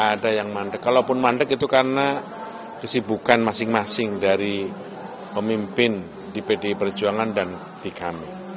ada yang mandek kalaupun mandek itu karena kesibukan masing masing dari pemimpin di pdi perjuangan dan di kami